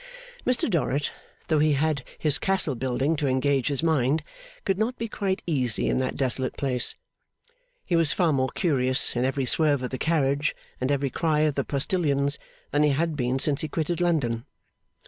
Mr Dorrit, though he had his castle building to engage his mind, could not be quite easy in that desolate place. He was far more curious, in every swerve of the carriage, and every cry of the postilions, than he had been since he quitted London.